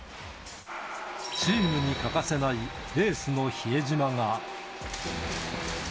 チームに欠かせないエースの比江島が。